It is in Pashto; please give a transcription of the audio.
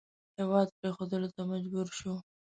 هېواد پرېښودلو ته مجبور شو.